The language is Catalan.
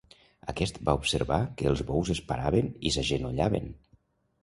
Aquest va observar que els bous es paraven i s'agenollaven.